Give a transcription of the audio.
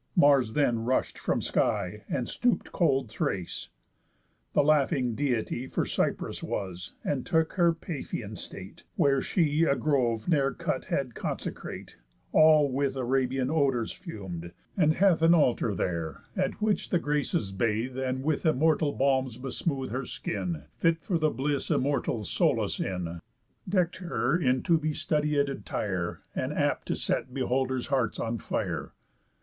Mars then rush'd from sky, And stoop'd cold Thrace. The laughing Deity For Cyprus was, and took her Paphian state, Where she a grove, ne'er cut, had consecrate, All with Arabian odours fum'd, and hath An altar there, at which the Graces bathe, And with immortal balms besmooth, her skin, Fit for the bliss Immortals solace in; Deck'd her in to be studiéd attire, And apt to set beholders' hearts on fire.